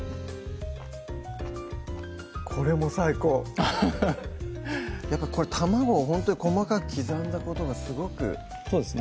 これも最高アハハやっぱこれ卵をほんとに細かく刻んだことがすごくそうですね